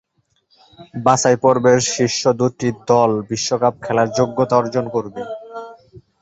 বাছাইপর্বের শীর্ষ দুটি দল বিশ্বকাপ খেলার যোগ্যতা অর্জন করবে।